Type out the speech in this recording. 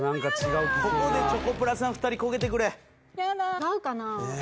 ここでチョコプラさん２人コケてくれええ